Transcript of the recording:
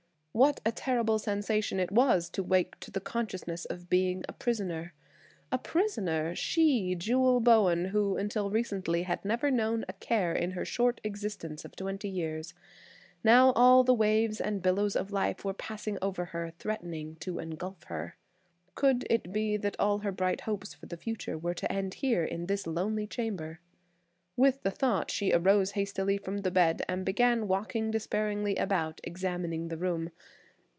What a terrible sensation it was to wake to the conciousness of being a prisoner! A prisoner! she, Jewel Bowen, who until recently had never known a care in her short existence of twenty years. Now all the waves and billows of life were passing over her threatening to engulf her. Could it be that all her bright hopes for the future were to end here in this lonely chamber? With the thought she arose hastily from the bed and began walking despairingly about, examining the room.